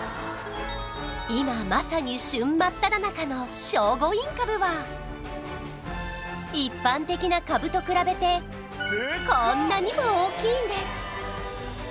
今まさに旬真っただ中の聖護院かぶは一般的なかぶと比べてこんなにも大きいんです